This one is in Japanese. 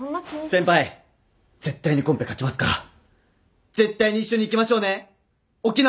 先輩絶対にコンペ勝ちますから絶対に一緒に行きましょうね沖縄！